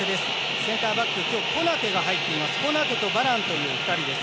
センターバックコナテが入っています。